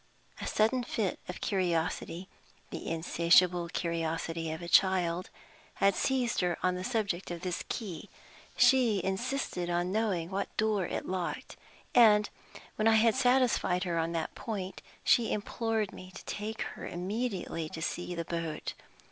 A sudden fit of curiosity (the insatiable curiosity of a child) had seized her on the subject of this key. She insisted on knowing what door it locked; and, when I had satisfied her on that point, she implored me to take her immediately to see the boat.